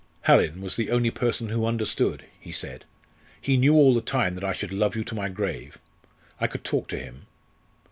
"Hallin was the only person who understood," he said; "he knew all the time that I should love you to my grave. I could talk to him."